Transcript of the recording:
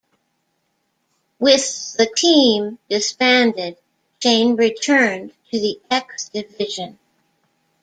With the team disbanded, Shane returned to the X Division.